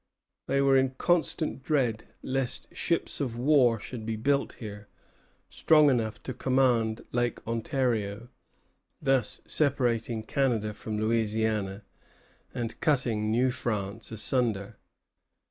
They were in constant dread lest ships of war should be built here, strong enough to command Lake Ontario, thus separating Canada from Louisiana, and cutting New France asunder.